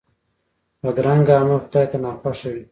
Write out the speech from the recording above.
بدرنګه عمل خدای ته ناخوښه وي